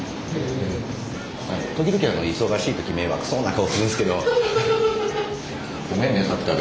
時々忙しい時迷惑そうな顔するんですけど。